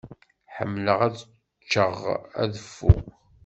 Ḥemmleɣ ad cceɣ aḍeffu.